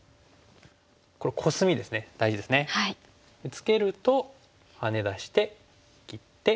ツケるとハネ出して切って。